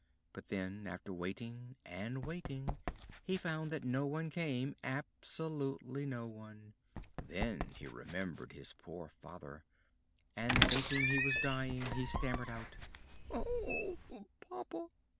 But when, after waiting and waiting, he found that no one came, absolutely no one, then he remembered his poor father, and, thinking he was dying, he stammered out: "Oh, papa! papa!